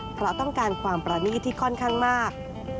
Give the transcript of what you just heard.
เพราะต้องการความประนีตที่ค่อนข้างมาก